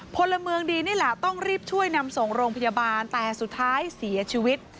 พลเมืองดีนี่แหละต้องรีบช่วยนำส่งโรงพยาบาลแต่สุดท้ายเสียชีวิต